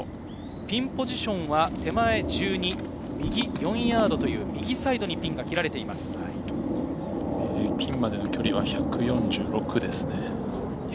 ピンポジションは手前１２、右４ヤードという、右サイドにピピンまでの距離は１４６ですね。